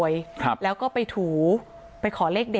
ชั่วโมงตอนพบศพ